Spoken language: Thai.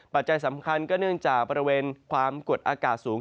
ปัจจัยสำคัญก็เนื่องจากบริเวณความกดอากาศสูง